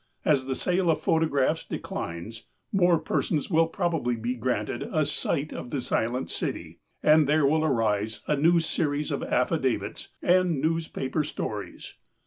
As the sale of photographs declines, more persons will probably be granted a sight of the Silent City, and there will arise anew series of affidavits and newspaper stories.